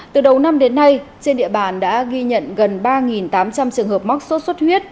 từ đầu năm đến nay trên địa bàn đã ghi nhận gần ba tám trăm linh trường hợp mắc sốt xuất huyết